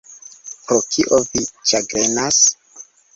Pro kio vi ĉagrenas?